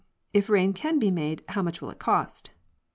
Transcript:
If rain can be made, how much will it cost?